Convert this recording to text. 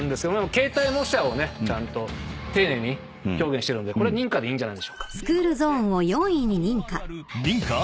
形態模写をねちゃんと丁寧に表現してるのでこれ認可でいいんじゃないでしょうか。